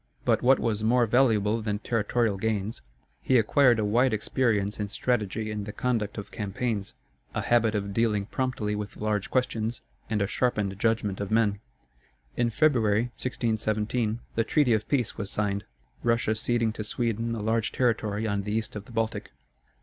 But what was more valuable than territorial gains, he acquired a wide experience in strategy and the conduct of campaigns, a habit of dealing promptly with large questions, and a sharpened judgment of men. In February, 1617, the treaty of peace was signed, Russia ceding to Sweden a large territory on the east of the Baltic.